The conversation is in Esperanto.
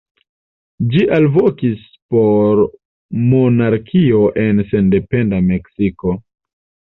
Ĝi alvokis por monarkio en sendependa Meksiko.